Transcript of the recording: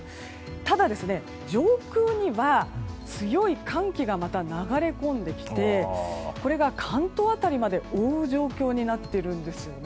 ただ、上空にはまた強い寒気が流れ込んできてこれが関東辺りまで覆う状況になっているんです。